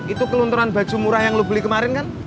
itu kelunturan baju murah yang lu beli kemarin kan